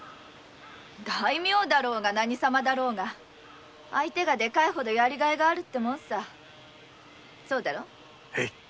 大名だろうが何様だろうが相手がでかいほどやりがいがあるってもんさそうだろ。